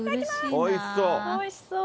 おいしそう。